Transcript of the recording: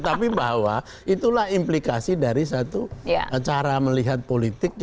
tapi bahwa itulah implikasi dari satu cara melihat politik